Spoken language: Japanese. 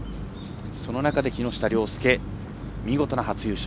その中で木下稜介、見事な初優勝。